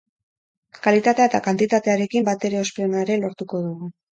Kalitatea eta kantitatearekin batera ospe ona ere lortuko dugu.